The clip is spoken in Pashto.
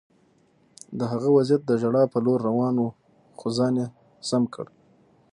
د هغه وضعیت د ژړا په لور روان و خو ځان یې سم کړ